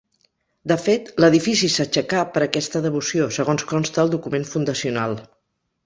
De fet, l'edifici s'aixecà per aquesta devoció, segons consta al document fundacional.